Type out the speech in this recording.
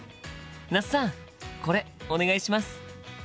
那須さんこれお願いします！